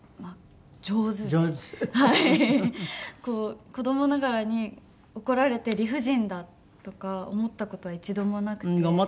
こう子どもながらに怒られて理不尽だとか思った事は一度もなくて。